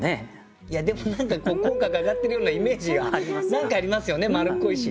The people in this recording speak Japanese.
いやでも何か口角上がってるようなイメージが何かありますよね丸っこいし。